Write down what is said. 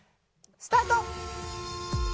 スタート！